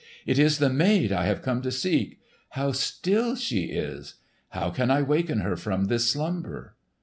"It is the maid I have come to seek! How still she is! How can I waken her from this slumber?"